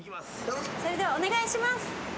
それではお願いします。